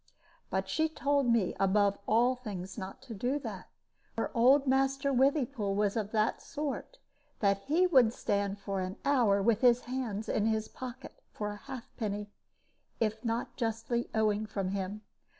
But she told me, above all things, not to do that. For old Master Withypool was of that sort that he would stand for an hour with his hands in his pocket for a half penny, if not justly owing from him.